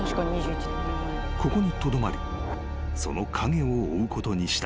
［ここにとどまりその影を追うことにした］